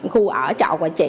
khu ở trọ của chị